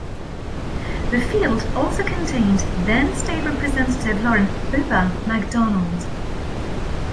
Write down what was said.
The field also contained then state representative Lauren "Bubba" McDonald.